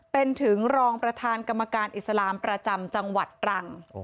เป็นถึงรองประธานกรรมการอิสลามประจำจังหวัดตรัง